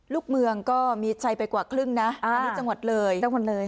ลูกเมืองก็มีชัยไปกว่าครึ่งนะอันนี้จังหวัดเลยจังหวัดเลย